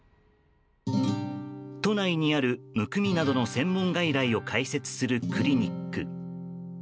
都内にある、むくみなどの専門外来を開設するクリニック。